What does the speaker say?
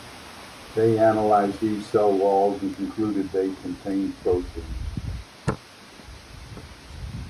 They analysed these cell walls and concluded that they contained protein.